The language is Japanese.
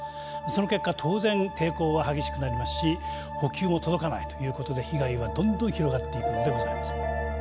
その結果当然抵抗は激しくなりますし補給も届かないという事で被害はどんどん広がっていくのでございます。